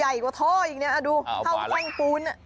ใหญ่กว่าท่ออย่างนี้ดูพล่องพ่องปูน